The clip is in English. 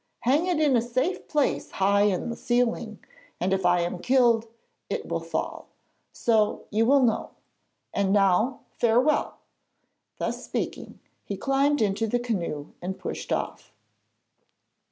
Hang it in a safe place high on the ceiling, and if I am killed, it will fall. So you will know. And now farewell.' Thus speaking he climbed into the canoe and pushed off.